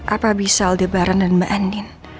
apa bisa lebaran dan mbak andin